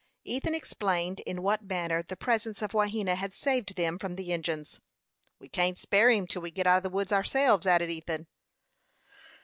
Ethan explained in what manner the presence of Wahena had saved them from the Indians. "We can't spare him till we get out of the woods ourselves," added Ethan.